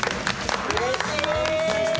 うれしーい！